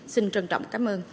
xin trân trọng cám ơn